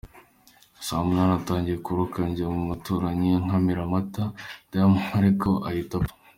Saa munani atangiye kuruka njya ku muturanyi ankamira amata ndayamuha ariko ahita apfa.